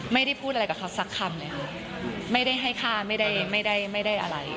ไม่ได้พูดอะไรกับเขาสักคำไม่ได้ให้ฆ่าไม่ได้อะไร